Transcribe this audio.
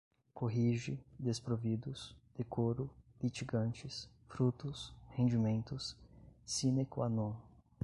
corrige, desprovidos, decoro, litigantes, frutos, rendimentos, sine qua non